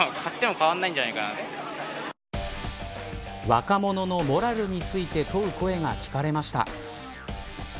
若者のモラルについて問う声が聞かれました。